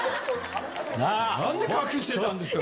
何で隠してたんですか！